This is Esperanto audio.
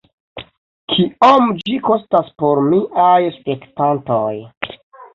Kiom ĝi kostas por miaj spektantoj?